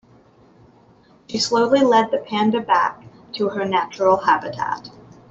She slowly led the panda back to her natural habitat.